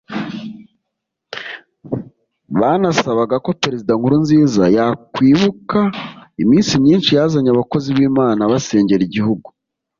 Banasabaga ko Perezida Nkurunziza yakwibuka iminsi myinshi yazanye abakozi b’Imana basengera igihugu